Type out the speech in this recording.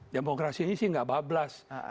demokrasi ini sih tidak kebablasan